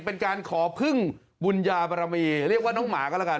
เป็นการขอพึ่งบุญญาบรมีเรียกว่าน้องหมาก็แล้วกัน